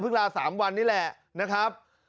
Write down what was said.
ลา๓วันนี้แหละนะครับ